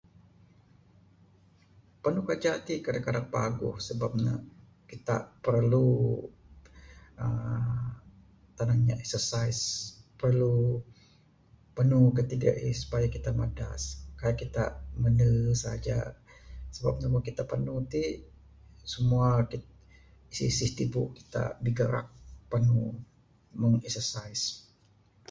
Panu kejak tik kadang kadang paguh. Sebab ne kitak perlu uhh tanang nya exercise. Perlu panu gatik gaih supaya kitak madas. Kai'k kitak mendu saja sebab mung ne kitak penu tik, semua ti isih ish tibu' kitak bigarak, penu mung exercise.